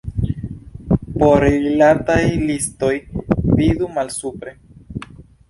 Por rilataj listoj, vidu malsupre.